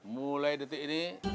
mulai detik ini